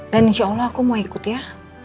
dan insya allah aku mau ikut ya